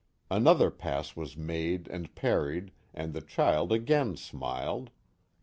Another pass was made and parried, and the child again smiled.